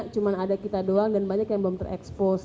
cuma ada kita doang dan banyak yang belum terekspos